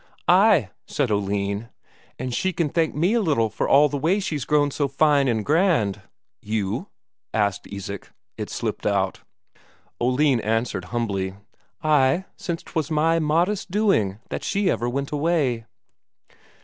"Ay," said Oline; "and she can thank me a little for all the way she's grown so fine and grand." "You?" asked Isak. It slipped out. Oline answered humbly: "Ay, since 'twas my modest doing that she ever went away."